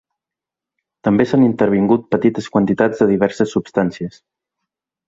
També s’han intervingut petites quantitats de diverses substàncies.